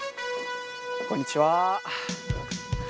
こんにちは。